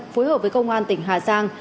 phối hợp với công an tỉnh hà giang